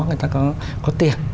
người ta có tiền